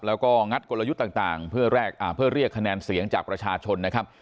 แล้วก็งัดกลยุทธ์ต่างเพื่อเรียกคะแนนเสียงจากประชาชนนะครับ